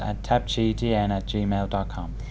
at tạp chí dn gmail com